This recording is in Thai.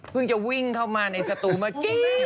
จะวิ่งเข้ามาในสตูเมื่อกี้